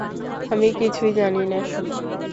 আমি কিছুই জানি না সোনা।